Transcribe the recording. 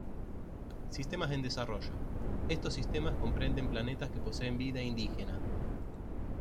Sistemas en Desarrollo: Estos sistemas comprenden planetas que poseen vida indígena.